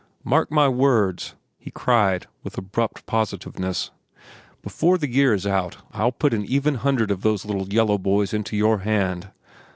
"Mark my words!" he cried with abrupt positiveness. "Before the year is out I'll put an even hundred of those little yellow boys into your hand.